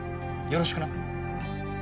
よろしくな。